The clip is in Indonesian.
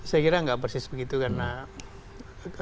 saya kira nggak persis begitu karena